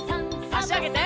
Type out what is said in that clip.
あしあげて。